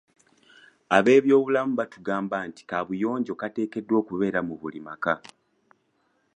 Ab'ebyobulamu batugamba nti kabuyonjo kateekeddwa okubeera mu buli maka.